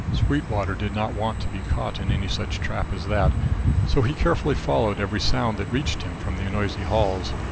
Sweetwater did not want to be caught in any such trap as that; so he carefully followed every sound that reached him from the noisy halls.